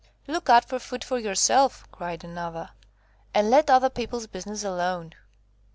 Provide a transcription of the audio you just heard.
"Look out for food for yourself," cried another, "and let other people's business alone."